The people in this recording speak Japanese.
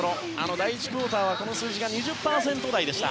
第１クオーターはこの数字が２０％台でした。